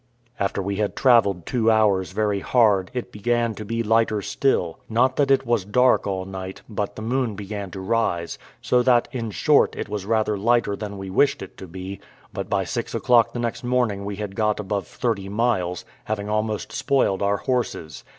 After we had travelled two hours very hard, it began to be lighter still; not that it was dark all night, but the moon began to rise, so that, in short, it was rather lighter than we wished it to be; but by six o'clock the next morning we had got above thirty miles, having almost spoiled our horses.